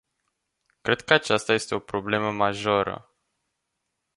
Cred că aceasta este o problemă majoră.